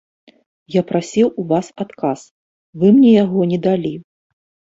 Я прасіў у вас адказ, вы мне яго не далі.